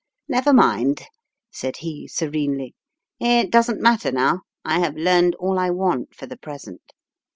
"Never mind," said he, serenely. "It doesn't matter now, I have learnt all I want for the present.